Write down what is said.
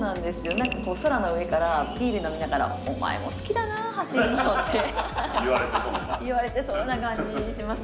何かこう空の上からビール飲みながら「お前も好きだな走るの」って言われてそうな感じしますねはい。